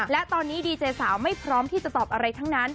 และตอนนี้ดีเจสาวไม่พร้อมที่จะตอบอะไรทั้งนั้น